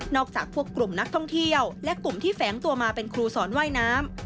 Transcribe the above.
จากพวกกลุ่มนักท่องเที่ยวและกลุ่มที่แฝงตัวมาเป็นครูสอนว่ายน้ำ